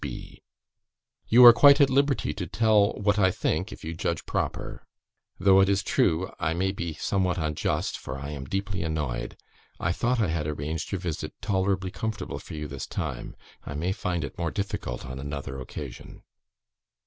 C. B. "You are quite at liberty to tell what I think, if you judge proper. Though it is true I may be somewhat unjust, for I am deeply annoyed. I thought I had arranged your visit tolerably comfortable for you this time. I may find it more difficult on another occasion."